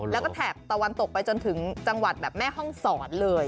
แล้วก็แถบตะวันตกไปจนถึงจังหวัดแบบแม่ห้องศรเลย